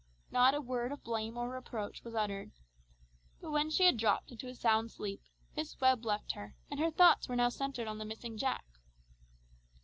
Not a word of blame or reproach was uttered. But when she had dropped into a sound sleep, Miss Webb left her, and her thoughts were now centred on the missing Jack.